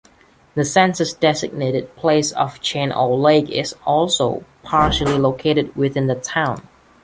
The census-designated place of Chain O' Lake is also partially located within the town.